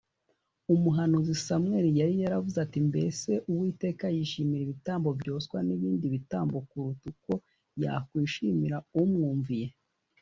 umuhanuzi samweli yari yaravuze ati: “mbese uwiteka yishimira ibitambo byoswa n’ibindi bitambo kuruta uko yakwishimira umwumviye?